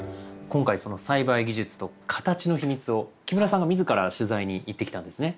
今回その栽培技術と形の秘密を木村さんが自ら取材に行ってきたんですね？